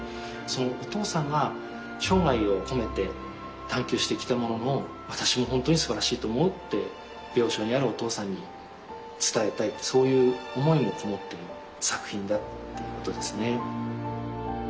そのお父さんが生涯を込めて探求してきたものの私も本当にすばらしいと思うって病床にあるお父さんに伝えたいってそういう思いもこもっている作品だっていうことですね。